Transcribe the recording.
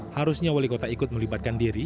harusnya wali kota ikut melibatkan diri